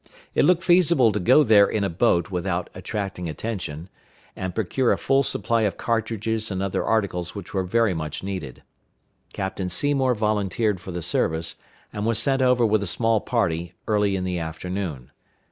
It looked feasible to go there in a boat without attracting attention, and procure a full supply of cartridges and other articles which were very much needed. Captain Seymour volunteered for the service, and was sent over with a small party, early in the afternoon.